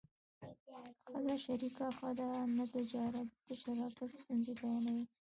ښځه شریکه ښه ده نه تجارت د شراکت ستونزې بیانوي